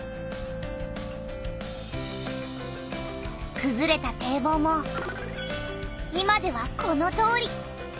くずれた堤防も今ではこのとおり。